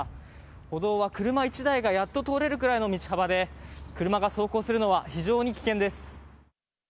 歩道は車１台がやっと通れるくらいの道幅で、車が走行するのは非常に危険です。